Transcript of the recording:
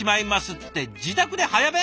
って自宅で早弁！？